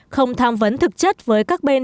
không tham vấn thực chất với các bên